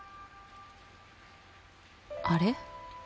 あれ？